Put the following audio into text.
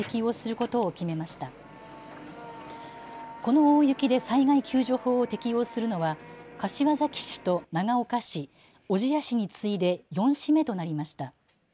この大雪で災害救助法を適用するのは柏崎市と長岡市、小千谷市に次いで４市目となりました。